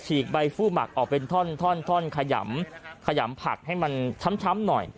ฉีกใบฟู้หมักออกเป็นท่อนท่อนท่อนขยำขยำผักให้มันช้ำช้ำหน่อย